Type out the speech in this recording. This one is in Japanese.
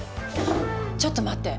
ちょっと待って！